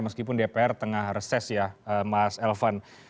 meskipun dpr tengah reses ya mas elvan